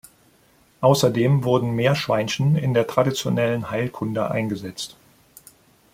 Außerdem wurden Meerschweinchen in der traditionellen Heilkunde eingesetzt.